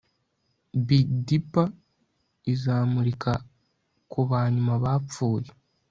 Big Dipper izamurika kubanyuma bapfuye